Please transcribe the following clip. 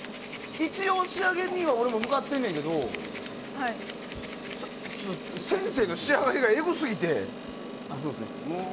一応仕上げには向かってんねんけど先生の仕上がりがエグすぎて。